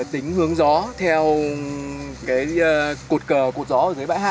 tính hướng gió theo cái cột cờ cột gió ở dưới bãi hạ